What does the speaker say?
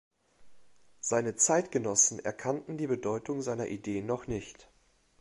Seine Zeitgenossen erkannten die Bedeutung seiner Ideen noch nicht.